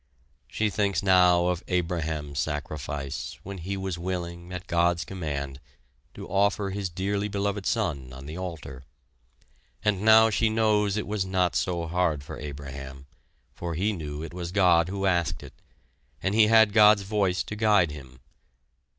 She thinks now of Abraham's sacrifice, when he was willing at God's command to offer his dearly beloved son on the altar; and now she knows it was not so hard for Abraham, for he knew it was God who asked it, and he had God's voice to guide him!